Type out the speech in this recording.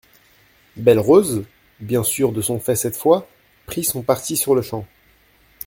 Belle-Rose, bien sûr de son fait cette fois, prit son parti sur-le-champ.